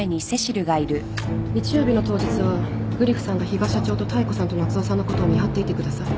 日曜日の当日はグリフさんが比嘉社長と妙子さんと夏雄さんのことを見張っていてください。